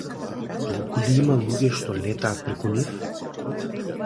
Толку ли има луѓе што летаат преку нив?